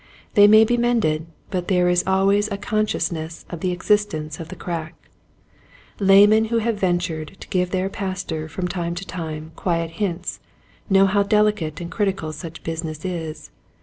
They may be mended but there is always a consciousness of the existence of the crack. Laymen who have ventured to give their Pastor from time to time quiet hints know how delicate and critical such business is.